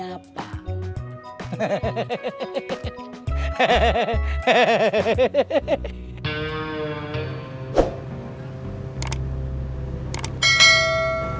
alasan kemajikannya tini apa